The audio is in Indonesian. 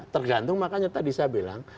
tergantung makanya tadi saya bilang